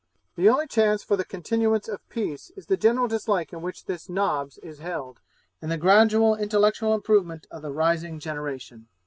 The only chance for the continuance of peace is the general dislike in which this Nobbs is held, and the gradual intellectual improvement of the rising generation.